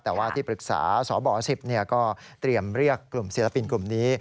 แต่ว่าที่ปรึกษาสบ๑๐ก็เตรียมเรียกกลุ่มศิลปินกลุ่มนี้